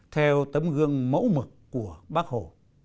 theo tấm gương mẫu mực của bác hồ